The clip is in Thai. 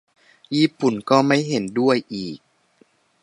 ญี่ปุ่นก็ไม่เห็นด้วยอีก